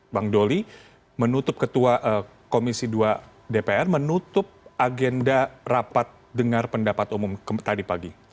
bang doli menutup ketua komisi dua dpr menutup agenda rapat dengar pendapat umum tadi pagi